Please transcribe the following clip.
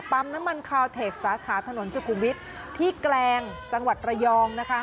น้ำมันคาวเทคสาขาถนนสุขุมวิทย์ที่แกลงจังหวัดระยองนะคะ